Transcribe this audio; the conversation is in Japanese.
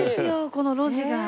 この路地が。